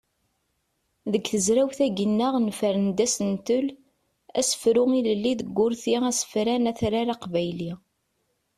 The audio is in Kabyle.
Deg tezrawt-agi-nneɣ nefren-d asentel: asefru ilelli deg urti asefran atrar aqbayli.